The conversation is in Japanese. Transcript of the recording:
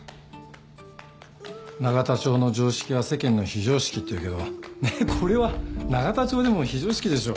永田町の常識は世間の非常識っていうけどねっこれは永田町でも非常識でしょ。